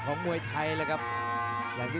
ทำเขาก่อนครับ